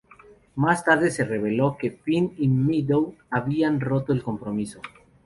Más tarde se reveló que Finn y Meadow habían roto el compromiso.